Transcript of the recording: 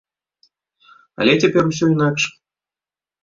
Але цяпер усё інакш.